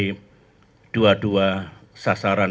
kami dua dua sasaran